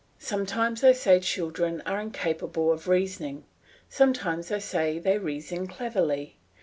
Sometimes I say children are incapable of reasoning. Sometimes I say they reason cleverly.